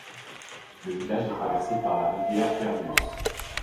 Le village est traversé par la rivière Fergus.